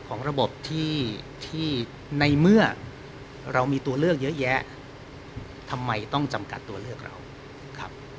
ของระบบที่ในเมื่อเรามีตัวเลือกเยอะแยะทำไมต้องจำกัดตัวเลือกเราครับ